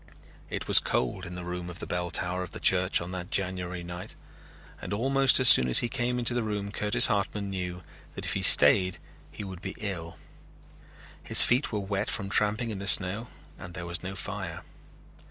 It was cold in the room of the bell tower of the church on that January night and almost as soon as he came into the room Curtis Hartman knew that if he stayed he would be ill. His feet were wet from tramping in the snow and there was no fire.